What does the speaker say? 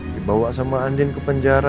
dibawa sama andin ke penjara